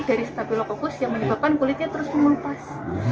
dari staphylococcus yang menyebabkan kulitnya terus mengelupas